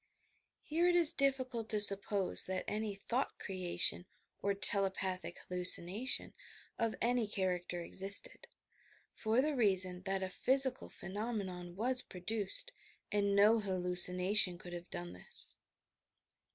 Here it is difficult to suppose that any thought creation or "telepathic hallucination" of any character existed, for the reason that a physical phenomenon was produced and no hallucination could have done this.